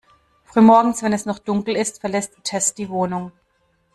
Früh morgens, wenn es noch dunkel ist, verlässt Tess die Wohnung.